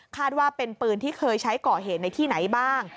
ว่าเป็นปืนที่เคยใช้ก่อเหตุในที่ไหนบ้าง